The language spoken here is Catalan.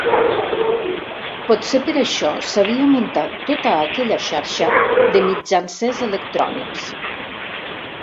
Potser per això s'havia muntat tota aquella xarxa de mitjancers electrònics.